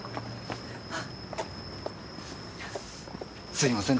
すいません